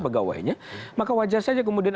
pegawainya maka wajar saja kemudian